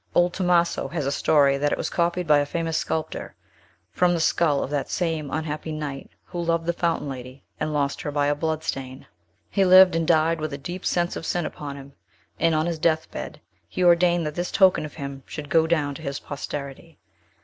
Old Tomaso has a story that it was copied by a famous sculptor from the skull of that same unhappy knight who loved the fountain lady, and lost her by a blood stain. He lived and died with a deep sense of sin upon him, and on his death bed he ordained that this token of him should go down to his posterity.